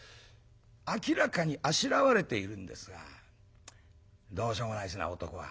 明らかにあしらわれているんですがどうしようもないですね男は。